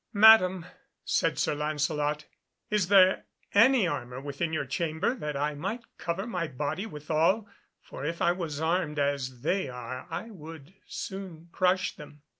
"Madam," said Sir Lancelot, "is there any armour within your chamber that I might cover my body withal, for if I was armed as they are I would soon crush them?"